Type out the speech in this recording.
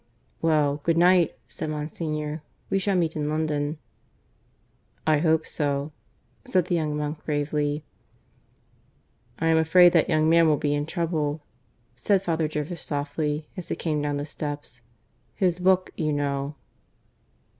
... "Well, good night," said Monsignor. "We shall meet in London." "I hope so," said the young monk gravely. "I am afraid that young man will be in trouble," said Father Jervis softly, as they came down the steps. "His book, you know."